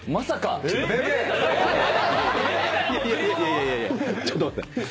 いやいやいやちょっと待って。